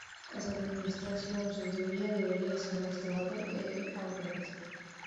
Coas Administracións en teoría debería ser máis doado e é ao revés.